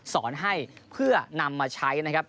สอนให้เพื่อนำมาใช้นะครับ